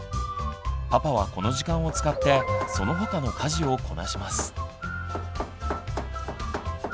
パパはこの時間を使ってその他の家事をこなします。